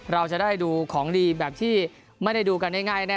เราจะได้ดูของดีแบบที่ไม่ได้ดูกันง่ายแน